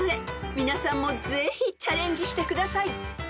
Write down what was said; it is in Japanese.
［皆さんもぜひチャレンジしてください］